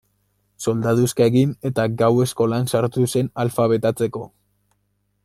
Soldaduska egin, eta gau eskolan sartu zen alfabetatzeko.